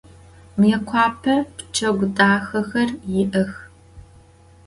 Mıêkhuape pçegu daxexer yi'ex.